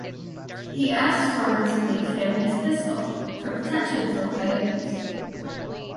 He asks Robert to leave him his pistol, for protection from coyotes.